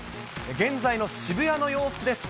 現在の渋谷の様子です。